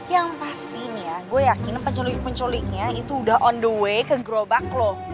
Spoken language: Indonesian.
yang pastinya gua yakin penculik penculiknya itu udah on the way ke gerobak lu